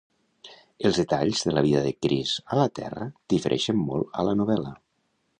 Els detalls de la vida de Chris a la Terra difereixen molt a la novel·la.